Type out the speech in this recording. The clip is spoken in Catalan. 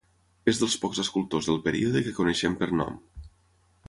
És dels pocs escultors del període que coneixem per nom.